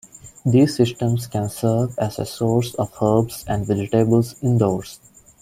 These systems can serve as a source of herbs and vegetables indoors.